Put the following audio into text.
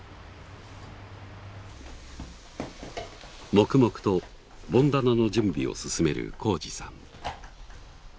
黙々と盆棚の準備を進める公二さん。